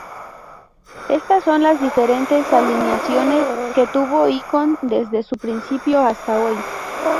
Estas son las diferentes alineaciones que tuvo Icon desde su principio hasta hoy